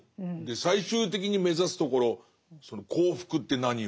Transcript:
最終的に目指すところその幸福って何よ？ですよね。